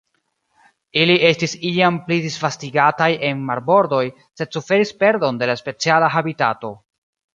Ili estis iam pli disvastigataj en marbordoj, sed suferis perdon de la speciala habitato.